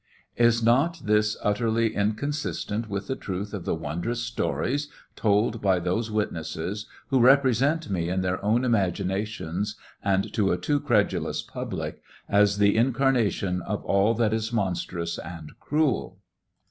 Is not this utterly inconsistent with the truth of the wondrous stories told by those witnesses, who represent me in their own imaginations and to a too credulous public as the incarnation of all that is mon strous and cruel